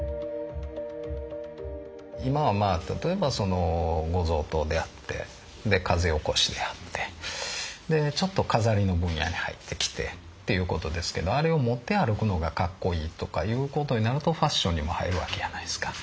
今は例えばご贈答であって風起こしであってでちょっと飾りの分野に入ってきてっていう事ですけどあれを持って歩くのがかっこいいとかいう事になるとファッションにも入る訳やないですか。